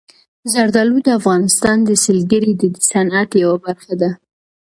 زردالو د افغانستان د سیلګرۍ د صنعت یوه برخه ده.